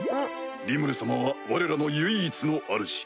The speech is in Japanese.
リムル様はわれらの唯一のあるじ。